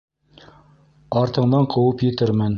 Артыңдан ҡыуып етермен.